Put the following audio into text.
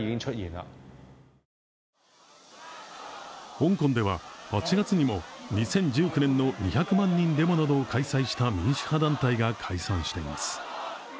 香港では、８月にも２０１９年の２００万人デモなどを開催した民主派団体が解散しています。